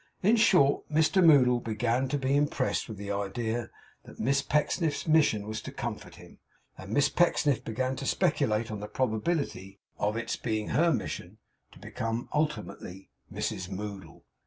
In short, Mr Moddle began to be impressed with the idea that Miss Pecksniff's mission was to comfort him; and Miss Pecksniff began to speculate on the probability of its being her mission to become ultimately Mrs Moddle.